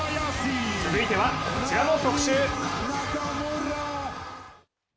続いてはこちらの特集！